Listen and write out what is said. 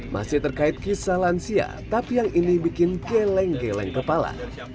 masih terkait kisah lansia tapi yang ini bikin geleng geleng kepala